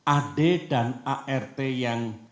ad dan art yang